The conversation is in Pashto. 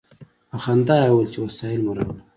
په خندا یې وویل چې وسایل مو راوړل.